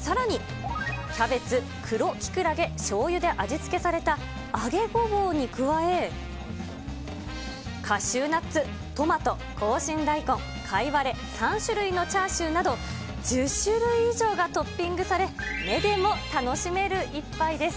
さらにキャベツ、黒キクラゲ、しょうゆで味付けされた揚げごぼうに加え、カシューナッツ、トマト、紅芯大根、カイワレ、３種類のチャーシューなど１０種類以上がトッピングされ、目でも楽しめる一杯です。